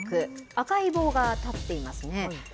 赤い棒が立っていますね。